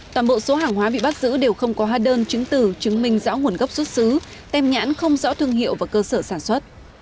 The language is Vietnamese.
toàn bộ số hàng hóa bị bắt giữ đều không có hóa đơn chứng từ chứng minh rõ nguồn gốc xuất xứ tem nhãn không rõ thương hiệu và cơ sở sản xuất